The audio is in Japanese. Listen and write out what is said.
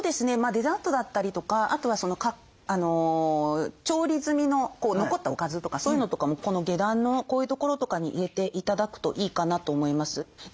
デザートだったりとかあとは調理済みの残ったおかずとかそういうのとかもこの下段のこういう所とかに入れて頂くといいかなと思います。